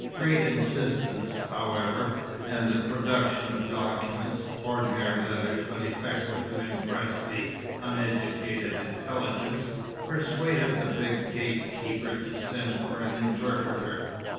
Great insistance, however, and the production of documents (ordinary letters, but effective to impress the uneducated intelligence) persuaded the big gate keeper to send for an interpreter.